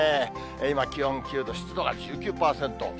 今、気温９度、湿度が１９％。